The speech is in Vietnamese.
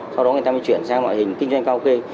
sau đó người ta mới chuyển sang loại hình kinh doanh cao kê